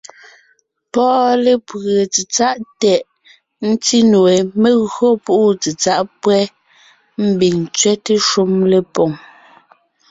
Pɔ́ɔn lépʉe tsetsáʼ tɛʼ, ńtí nue, mé gÿo púʼu tsetsáʼ pÿɛ́, ḿbiŋ ńtsẅɛ́te shúm lépoŋ.